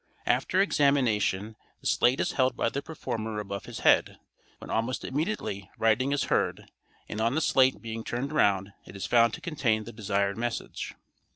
—After examination the slate is held by the performer above his head, when almost immediately writing is heard; and on the slate being turned round it is found to contain the desired message.